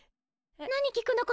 何聞くの？